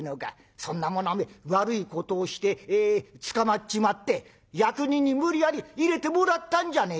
そんなもの悪いことをして捕まっちまって役人に無理やり入れてもらったんじゃねえか。